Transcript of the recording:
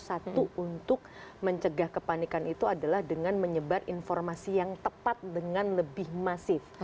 satu untuk mencegah kepanikan itu adalah dengan menyebar informasi yang tepat dengan lebih masif